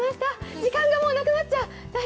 時間がなくなっちゃう。